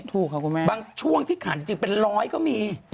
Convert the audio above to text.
ถูกค่ะคุณแม่บางช่วงที่ขาดจริงเป็นร้อยก็มี